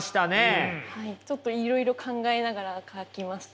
ちょっといろいろ考えながら書きました。